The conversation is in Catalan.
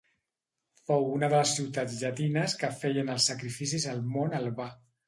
Fou una de les ciutats llatines que feien els sacrificis al Mont Albà.